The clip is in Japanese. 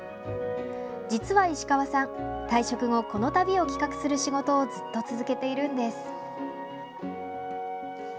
実は石川さん、退職後この旅を企画する仕事をずっと続けているんです。